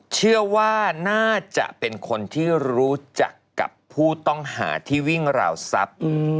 เชื่อว่าน่าจะเป็นคนที่รู้จักกับผู้ต้องหาที่วิ่งราวทรัพย์